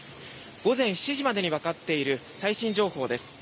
午前７時までにわかっている最新情報です。